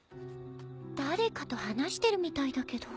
誰かと話してるみたいだけど。